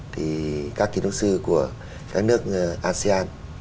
thì các kiến trúc sư của các nước asean